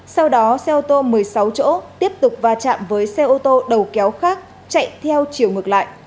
sau đó xe ô tô một mươi sáu chỗ tiếp tục va chạm với xe ô tô đầu kéo khác chạy theo chiều ngược lại